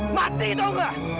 mati tau gak